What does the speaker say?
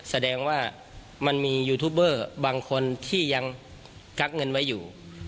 แสดงว่ามันมียูทูบเบอร์บางคนที่ยังกักเงินไว้อยู่